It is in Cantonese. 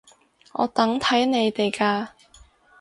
我等睇你哋㗎